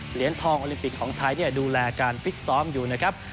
เหรียญทองโอลิมปิกของไทยดูแลการฟิตซ้อมอยู่นะครับ